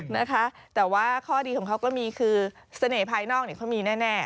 นะคะแต่ว่าข้อดีของเขาก็มีคือเสน่หภายนอกเขามีแน่